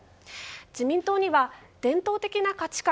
自民党には伝統的な価値観